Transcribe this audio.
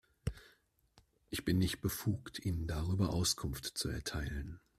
Ich bin nicht befugt, Ihnen darüber Auskunft zu erteilen.